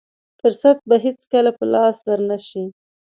فرصت به هېڅکله په لاس در نه شي.